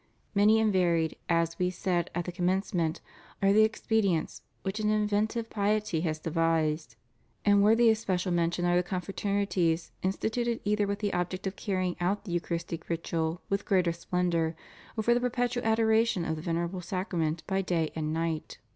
Many and varied, as We said at the commencement, are the expedients which an inventive piety has devised; and worthy of special mention are the Confraternities instituted either with the object of carrying out the Eu charistic ritual with greater splendor, or for the perpetual adoration of the venerable Sacrament by day and night, THE MOST HOLY EUCHARIST.